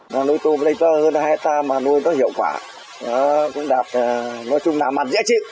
nó nuôi tôm lây to hơn hai hectare mà nuôi nó hiệu quả nó cũng đạt nói chung là mặt giá trị